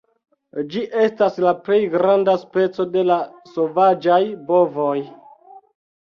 Ĝi estas la plej granda speco de la sovaĝaj bovoj.